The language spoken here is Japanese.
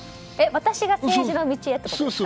私が政治の道へ？